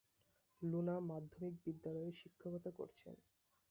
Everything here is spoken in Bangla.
লুনা মাধ্যমিক বিদ্যালয়ে শিক্ষকতা করছেন।